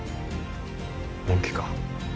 本気か？